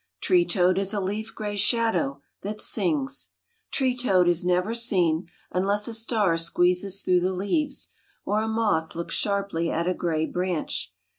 Tree toad is a leaf gray shadow That sings. Tree toad is never seen Unless a star squeezes through the leaves, Or a moth looks sharply at a gray branch.